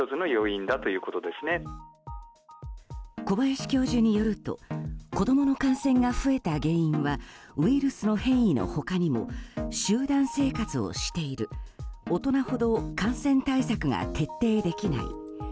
小林教授によると子供の感染が増えた原因はウイルスの変異の他にも集団生活をしている大人ほど感染対策が徹底できない。